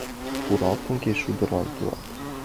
Пӱралтын кеч шулдыр тудлан